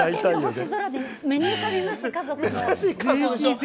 満点の星空、目に浮かびます、家族の。